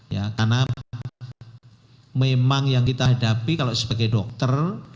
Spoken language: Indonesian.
ya karena memang yang kita hadapi kalau sebagai dokter